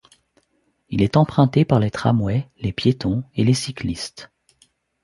Il est emprunté par les tramways, les piétons et les cyclistes.